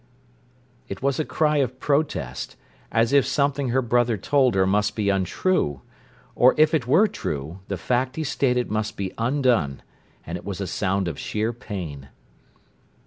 It was a cry of protest, as if something her brother told her must be untrue, or, if it were true, the fact he stated must be undone; and it was a sound of sheer pain.